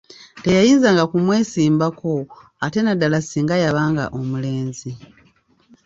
Teyayinzanga kumwesimbako ate naddala singa yabanga omulenzi.